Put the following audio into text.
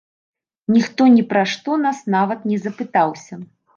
Ніхто ні пра што нас нават не запытаўся!